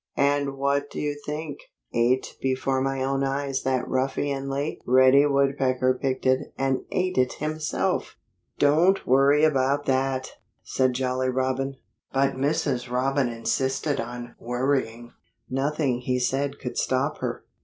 And what do you think? Eight before my own eyes that ruffianly Reddy Woodpecker picked it and ate it himself!" "Don't worry about that!" said Jolly Robin. But Mrs. Robin insisted on worrying; nothing he said could stop her.